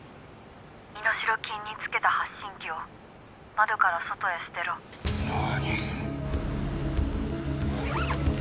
「身代金につけた発信機を窓から外へ捨てろ」何？